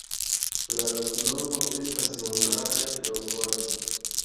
La loknomo estas hungare: Leopoldo.